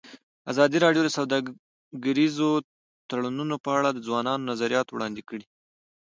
ازادي راډیو د سوداګریز تړونونه په اړه د ځوانانو نظریات وړاندې کړي.